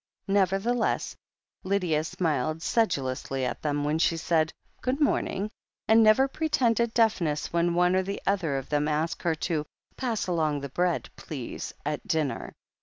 Nevertheless, Lydia smiled sedulously at them when she said, "Good morning," and never pretended deafness when one or the other of them asked her to ^'pass along the bread, please,'' at dinner.